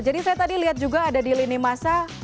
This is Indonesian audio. jadi saya tadi lihat juga ada di lini masa